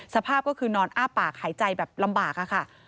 สภาพก็คือนอนอ้าปากหายใจแบบลำบากค่ะ